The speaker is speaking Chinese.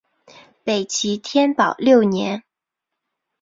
北齐天保六年。